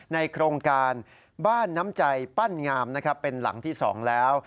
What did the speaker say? โครงการบ้านน้ำใจปั้นงามนะครับเป็นหลังที่๒แล้ว